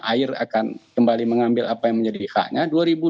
air akan kembali mengambil apa yang menjadi haknya